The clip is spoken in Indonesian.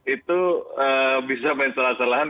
itu bisa main salah salahan